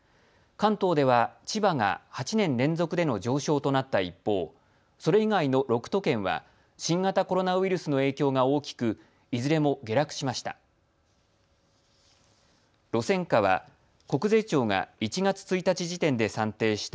関東では千葉が８年連続での上昇となった一方、それ以外の６都県は新型コロナウイルスの影響が大きく、いずれも下落しました。